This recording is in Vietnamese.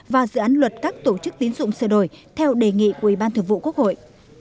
và dự án luật các tổ chức tín dụng sửa đổi theo đề nghị của ủy ban thường vụ quốc hội